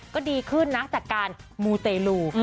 ก็ดีขึ้นนะจากการมูเตลู